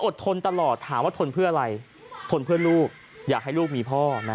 ทนตลอดถามว่าทนเพื่ออะไรทนเพื่อลูกอยากให้ลูกมีพ่อนะ